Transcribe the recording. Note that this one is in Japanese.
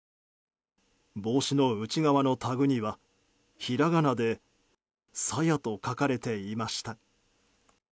帽子の内側のタグにはひらがなで「さや」と書かれていました。